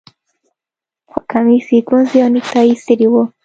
خو کمیس یې ګونځې او نیکټايي یې څیرې وه